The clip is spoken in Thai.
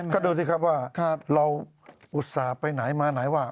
ก็ดูสิครับว่าเราอุตส่าห์ไปไหนมาไหนว่า